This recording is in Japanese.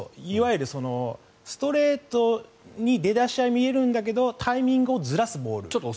いわゆるストレートに出だしは見えるんだけどタイミングをずらすボール。